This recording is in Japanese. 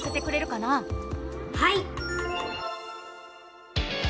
はい！